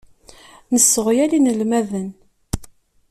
Nesseɣyal inelmaden.